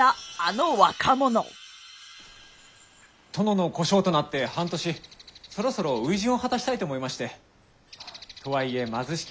殿の小姓となって半年そろそろ初陣を果たしたいと思いまして。とはいえ貧しき